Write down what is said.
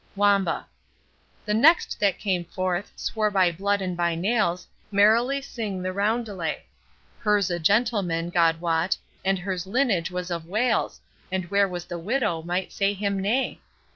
Wamba. The next that came forth, swore by blood and by nails, Merrily sing the roundelay; Hur's a gentleman, God wot, and hur's lineage was of Wales, And where was the widow might say him nay?